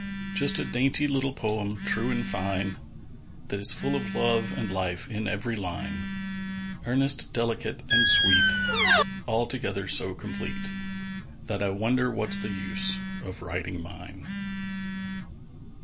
Just a dainty little poem, true and fine, That is full of love and life in every line, Earnest, delicate, and sweet, Altogether so complete That I wonder what's the use of writing mine.